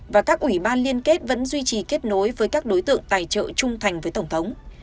và các ủy ban liên kết vẫn duy trì kết nối với các đối tượng tài trợ trung thành với tổng thống